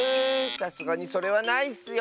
さすがにそれはないッスよ。